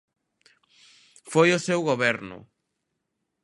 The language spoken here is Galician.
Foi o seu Goberno.